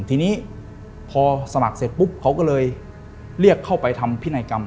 ทีนี้พอสมัครเสร็จปุ๊บเขาก็เลยเรียกเข้าไปทำพินัยกรรม